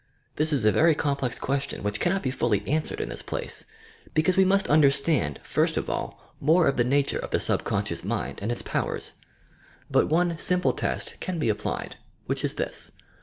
This is a very complex question, which cannot be fully answered in this place, because we must understand, first of all, more of the nature of the subconscious mind and its powers. But one simple test can be applied, which is this.